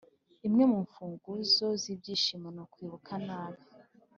imwe mu mfunguzo zibyishimo ni kwibuka nabi.